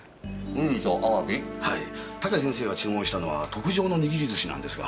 はい武先生が注文したのは特上の握り寿司なんですが。